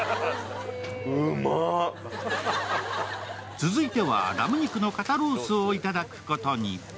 続いては、ラム肉の肩ロースをいただくことに。